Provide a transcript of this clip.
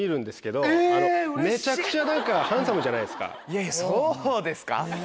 いやいやそうですか？